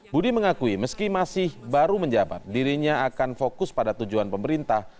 budi mengakui meski masih baru menjabat dirinya akan fokus pada tujuan pemerintah